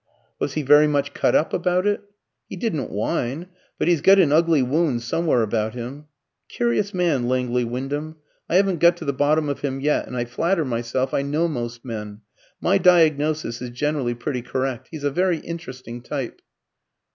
"Was he very much cut up about it?" "He didn't whine. But he's got an ugly wound somewhere about him. Curious man, Langley Wyndham. I haven't got to the bottom of him yet; and I flatter myself I know most men. My diagnosis is generally pretty correct. He's a very interesting type."